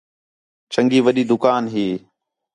چنڳی وݙی دُکان ہی